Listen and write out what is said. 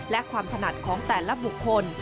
และความถนัดของแต่ละบุคคล